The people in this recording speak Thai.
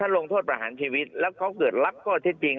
ลงโทษประหารชีวิตแล้วเขาเกิดรับข้อเท็จจริง